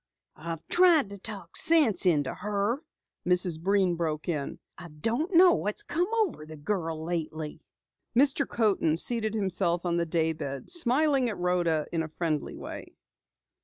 "I've tried to talk sense into her," Mrs. Breen broke in. "I don't know what's come over the girl lately." Mr. Coaten seated himself on the day bed, smiling at Rhoda in a friendly way.